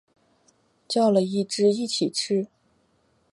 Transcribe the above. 叫了一只一起吃